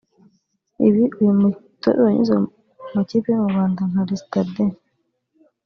Ibi uyu mutoza wanyuze mu makipe yo mu Rwanda nka Les Citadins